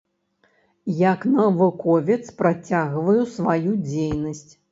Як навуковец працягваю сваю дзейнасць.